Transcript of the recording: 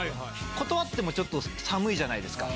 断ってもちょっとサムいじゃないですか。